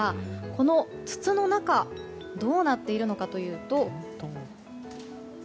この筒の中どうなっているのかというと。